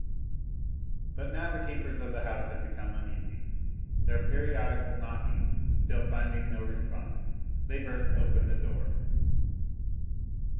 But now the keepers of the house had become uneasy; their periodical knockings still finding no response, they burst open the door.